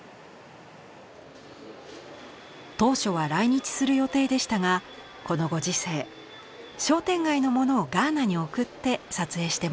当初は来日する予定でしたがこのご時世商店街の物をガーナに送って撮影してもらいました。